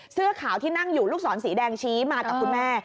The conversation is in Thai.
เสื้อขาวที่นั่งอยู่ลูกศรสีแดงชี้มากับคุณแม่